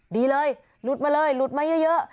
ดีเลยหลุดมาเลยหลุดมาเยอะ